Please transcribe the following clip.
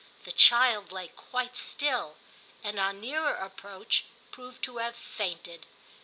The child lay quite still, and on nearer approach proved to have fainted.